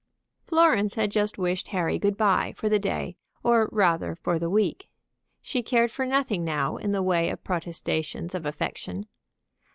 Florence had just wished Harry good bye for the day, or rather for the week. She cared for nothing now in the way of protestations of affection.